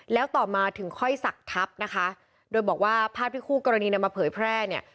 แล้วต่อมาถึงค่อยสักทับนะคะโดยบอกว่าภาพที่คู่กรณีนำมาเผยแพร่เนี่ย